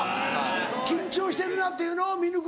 緊張してるなっていうのを見抜く。